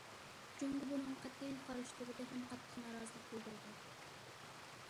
جۇڭگو بۇنىڭغا قەتئىي قارشى تۇرىدۇ ھەم قاتتىق نارازىلىق بىلدۈرىدۇ.